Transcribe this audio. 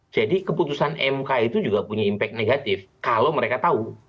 jadi keputusan mk itu juga punya impact negatif kalau mereka tahu